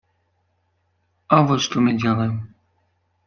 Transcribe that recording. А вот что мы делаем.